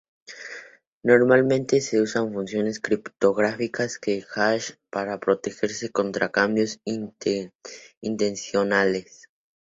Normalmente se usan funciones criptográficas de hash para protegerse contra cambios intencionados.